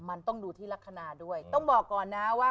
มันต้องดูที่ลักษณะด้วยต้องบอกก่อนนะว่า